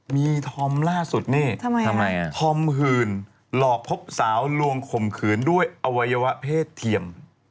มีธอมล่าสุดนี่ธอมหื่นหลอกพบสาวลวงข่มขืนด้วยอวัยวะเพศเทียม